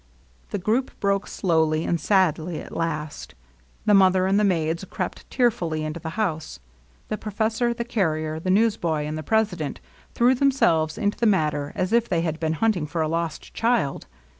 The group broke slowly and sadly at last. The mother and the maids crept tearfully into the house. The professor, the carrier, the newsboy, and the president threw themselves into the matter as if they had been hunting for a lost child.